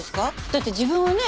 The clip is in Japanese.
だって自分はね